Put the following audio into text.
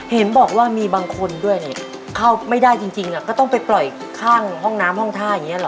เห็นบอกว่ามีบางคนด้วยเนี่ยเข้าไม่ได้จริงก็ต้องไปปล่อยข้างห้องน้ำห้องท่าอย่างนี้หรอ